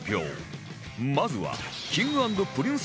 まずは